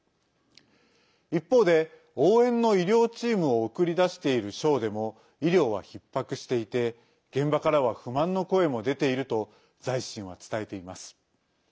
一方で、応援の医療チームを送り出している省でも医療は、ひっ迫していて現場からは不満の声も出ていると「財新」は伝えています。